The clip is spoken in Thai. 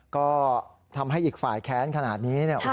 ก็ทำให้อีกฝ่ายแค้นขนาดนี้